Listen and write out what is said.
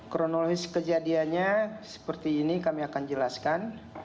kronologis kejadiannya seperti ini kami akan jelaskan